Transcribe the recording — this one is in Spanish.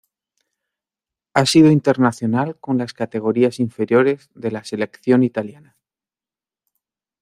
Ha sido internacional con las categorías inferiores de la Selección italiana.